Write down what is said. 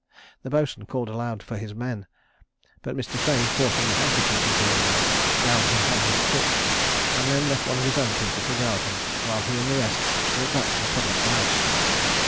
The boatswain called aloud for his men; but Mr. Fea forcing a handkerchief into his mouth, bound him hand and foot, and then left one of his own people to guard him, while he and the rest went back to the public house.